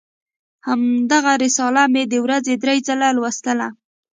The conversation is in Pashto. همدغه رساله مې د ورځې درې ځله لوستله.